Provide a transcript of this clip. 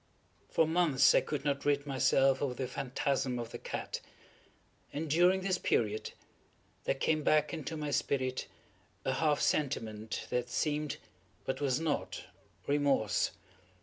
For months I could not rid myself of the phantasm of the cat; and, during this period, there came back into my spirit a half sentiment that seemed, but was not, remorse.